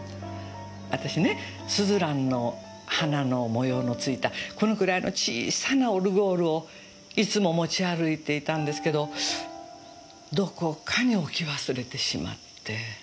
私ねスズランの花の模様の付いたこのくらいの小さなオルゴールをいつも持ち歩いていたんですけどどこかに置き忘れてしまって。